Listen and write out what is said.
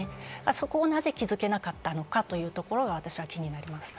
そこをなぜ気付なかったのかというところが私は気になります。